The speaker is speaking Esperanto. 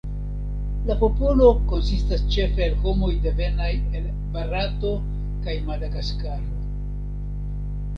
La popolo konsistas ĉefe el homoj devenaj el Barato kaj Madagaskaro.